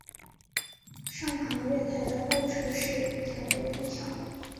上行月台的候车室配备空调。